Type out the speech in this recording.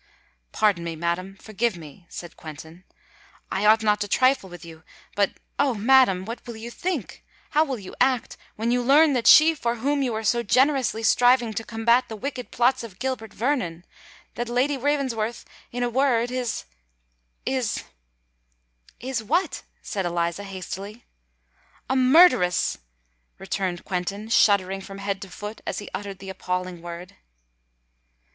"Pardon me, madam—forgive me," said Quentin, "I ought not to trifle with you! But, ah! madam, what will you think—how will you act, when you learn that she for whom you are so generously striving to combat the wicked plots of Gilbert Vernon,—that Lady Ravensworth, in a word, is—is——" "Is what?" said Eliza, hastily. "A murderess!" returned Quentin, shuddering from head to foot as he uttered the appalling word.